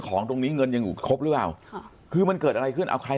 ของตรงนี้เงินยังอยู่ครบหรือเปล่าค่ะคือมันเกิดอะไรขึ้นเอาใคร